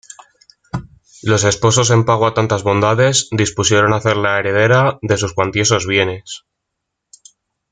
Los esposos en pago a tantas bondades, dispusieron hacerla heredera de sus cuantiosos bienes.